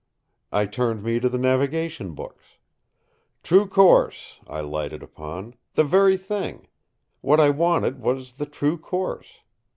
I turned me to the navigation books. "True Course" I lighted upon. The very thing! What I wanted was the true course.